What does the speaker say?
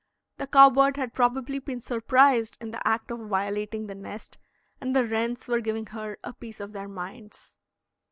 The cow bird had probably been surprised in the act of violating the nest, and the wrens were giving her a piece of theirs minds.